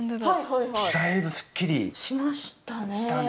だいぶすっきりしたね。